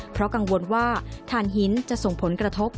เพราะกังวลว่าฐานหินจะส่งผลกระทบ